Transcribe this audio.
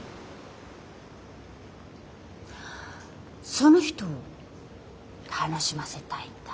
その人を楽しませたいんだ？